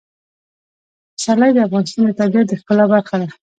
پسرلی د افغانستان د طبیعت د ښکلا برخه ده.